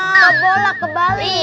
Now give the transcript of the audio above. ke bola ke bali